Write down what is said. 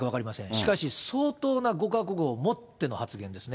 しかし、相当なご覚悟をもっての発言ですね。